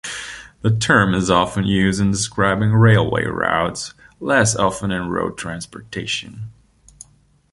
The term is often used in describing railway routes, less often in road transportation.